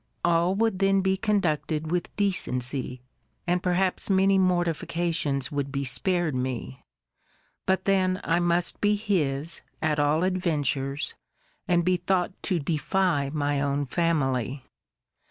All would then be conducted with decency, and perhaps many mortifications would be spared me. But then I must be his, at all adventures, and be thought to defy my own family.